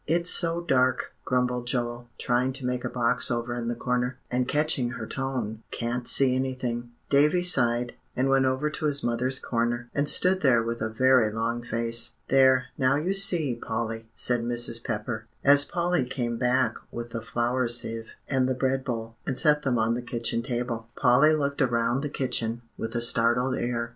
"It's so dark," grumbled Joel, trying to make a box over in the corner, and catching her tone, "can't see anything." Davie sighed, and went over to his mother's corner, and stood there with a very long face. "There, now you see, Polly," said Mrs. Pepper, as Polly came back with the flour sieve and the bread bowl, and set them on the kitchen table. Polly looked around the kitchen with a startled air.